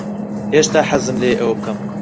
هێشتا حەزم لێیە ئەوە بکەم.